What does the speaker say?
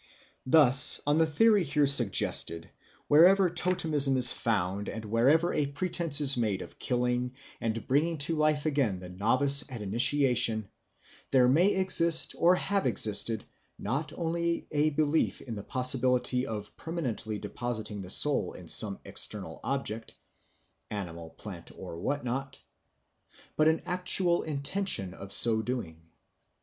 Thus, on the theory here suggested, wherever totemism is found, and wherever a pretence is made of killing and bringing to life again the novice at initiation, there may exist or have existed not only a belief in the possibility of permanently depositing the soul in some external object animal, plant, or what not but an actual intention of so doing.